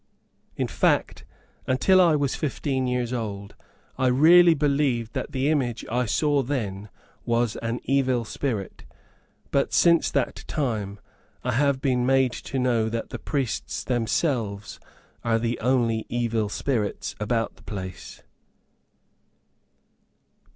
In fact, until I was fifteen years old, I really believed that the image I then saw was an evil spirit. But since that time, I have been made to know that the priests themselves are the only evil spirits about the place.